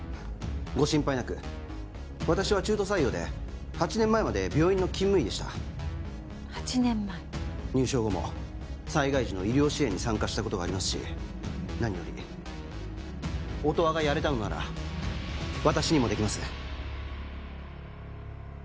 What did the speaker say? ご心配なく私は中途採用で８年前まで病院の勤務医でした８年前入省後も災害時の医療支援に参加したことがありますし何より音羽がやれたのなら私にもできます